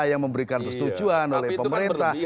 yang memberikan persetujuan oleh pemerintah